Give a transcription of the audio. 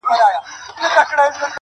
دا هوښیاري نه غواړم، عقل ناباب راکه